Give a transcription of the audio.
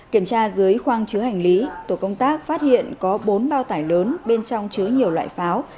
kiểm tra dưới khoang chứa hành lý tổ công tác phát hiện có bốn bao tải lớn bên trong chứa nhiều loại pháo